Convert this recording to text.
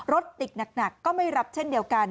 รถติดหนักก็ไม่รับเช่นเดียวกัน